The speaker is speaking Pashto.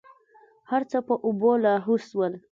هرڅه په اوبو لاهو سول.